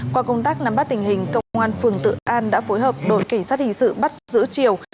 qua công tác nắm bắt tình hình công an phường tự an đã phối hợp đội kiểm soát hình sự bắt giữ triều